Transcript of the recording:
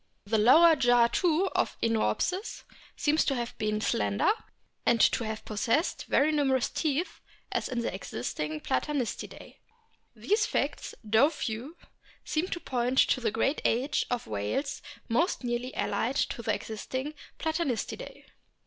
The lower jaw too of Iniopsis seems to have been slender, and to have possessed very numerous teeth as in the existing Platanistidae. These facts, though few, seem to point to the great age of whales most nearly allied to the existing Platanistidae.